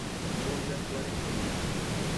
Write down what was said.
No volvió a actuar en política.